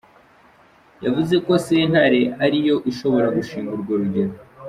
Yavuze ko sentare ari yo ishobora gushinga urwo rugero.